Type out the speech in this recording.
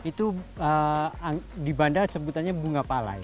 itu di bandar sebutannya bunga pala